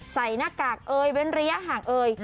หน้ากากเอยเว้นระยะห่างเอ่ย